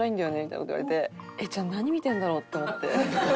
じゃあ何見てるんだろう？って思って。